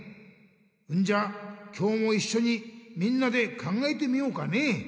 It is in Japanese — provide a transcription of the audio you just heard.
んじゃ今日もいっしょにみんなで考えてみようかね？